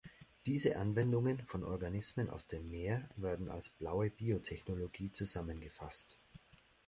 Diese Anwendungen von Organismen aus dem Meer werden als Blaue Biotechnologie zusammengefasst.